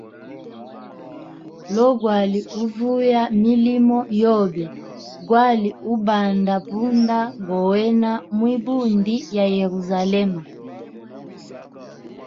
Lo gwali uvuya mulimo gobe gwali ubanda punda gowena mwibundi ya Yerusalema.